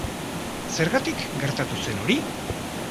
Zergatik gertatu zen hori?